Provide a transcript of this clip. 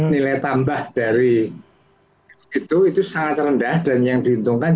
nilai tambah dari itu sangat rendah dan yang diuntungkan